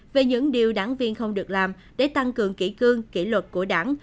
về những điều đảng viên không được làm để tăng cường kỷ cương kỷ luật của đảng